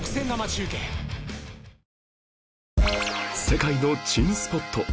世界の珍スポット